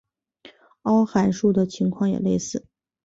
凹函数的情况也类似。